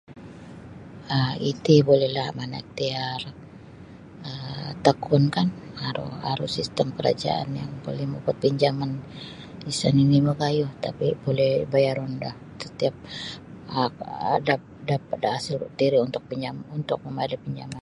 um iti bulilah Amanah Ikhtiar um Tekun kan aru aru sistem kerajaan yang buli mapapinjaman isa' nini' magayuh tapi buli bayarun do setiap um ada dap daripada hasil tiri untuk untuk mambari' pinjaman.